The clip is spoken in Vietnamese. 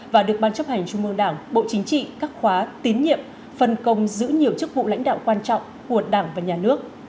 và được ban chấp hành trung mương đảng bộ chính trị các khóa tín nhiệm phân công giữ nhiều chức vụ lãnh đạo quan trọng của đảng và nhà nước